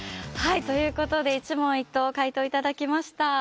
はいということで一問一答回答いただきました。